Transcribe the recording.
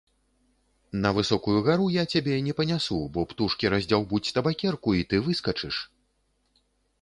На высокую гару я цябе не панясу, бо птушкі раздзяўбуць табакерку, і ты выскачыш.